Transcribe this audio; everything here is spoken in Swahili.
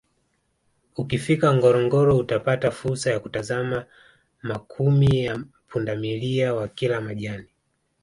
Ukifika Ngorongoro utapata fursa ya kutazama makumi ya pundamilia wakila majani